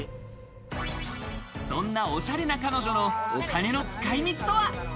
そんなオシャレな彼女のお金の使い道とは？